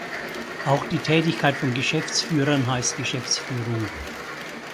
Auch die Tätigkeit von Geschäftsführern heißt Geschäftsführung.